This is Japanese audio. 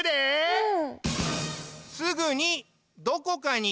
うん。